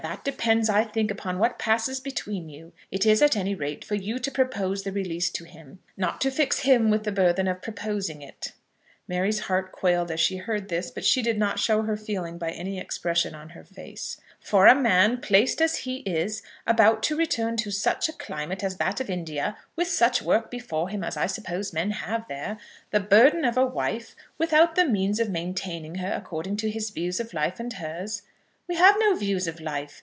That depends, I think, upon what passes between you. It is at any rate for you to propose the release to him, not to fix him with the burthen of proposing it." Mary's heart quailed as she heard this, but she did not show her feeling by any expression on her face. "For a man, placed as he is, about to return to such a climate as that of India, with such work before him as I suppose men have there, the burden of a wife, without the means of maintaining her according to his views of life and hers " "We have no views of life.